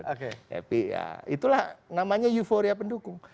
happy ya itulah namanya euforia pendukung